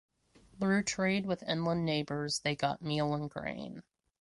Through trade with inland neighbours they got meal and grain.